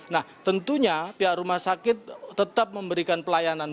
nah tentunya pihak rumah sakit tetap memberikan pelayanan